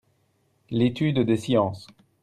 L'étude des sciences.